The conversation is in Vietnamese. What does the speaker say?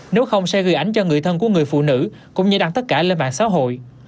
nếu không sẽ gây ảnh cho người thân của người phụ nữ cũng như đăng tất cả lên mạng xã hội